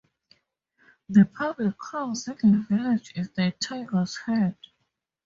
The public house in the village is the Tiger's Head.